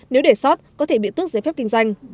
nếu để sót có thể bị tước giấy phép kinh doanh